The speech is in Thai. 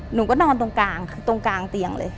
หนูก็นอนตรงกลางเตียงเลย